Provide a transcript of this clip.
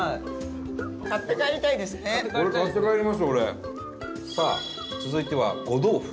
伊達：さあ、続いては呉豆腐。